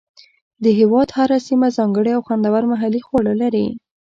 د هېواد هره سیمه ځانګړي او خوندور محلي خواړه لري.